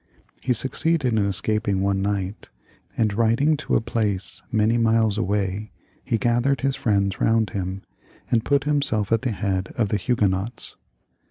He succeeded in escaping one night, and riding to a place many miles away, he gathered his friends round him, and put himself at the head of the Huguenots.